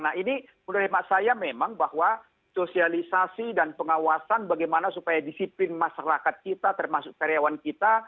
nah ini menurut saya memang bahwa sosialisasi dan pengawasan bagaimana supaya disiplin masyarakat kita termasuk karyawan kita